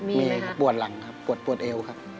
มีครับปวดหลังครับปวดปวดเอวครับ